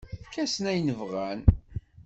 Efk-asen ayen bɣan.